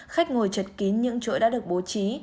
khách ngồi chật kín những chuỗi đã được bố trí